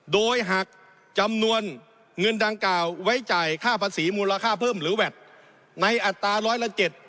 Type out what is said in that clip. โดยหักจำนวนเงินดังกล่าวไว้จ่ายค่าภาษีมูลค่าเพิ่มหรือแวดในอัตราร้อยละ๗